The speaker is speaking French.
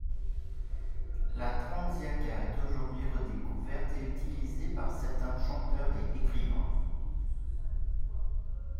La trasianka est aujourd'hui redécouverte et utilisée par certains chanteurs et écrivains.